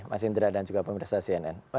mas indra dan juga pemerintah cnn